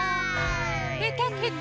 ぺたぺた。